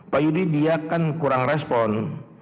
pak yudi dia kan kurang respon